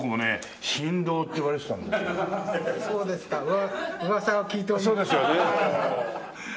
あっそうですか。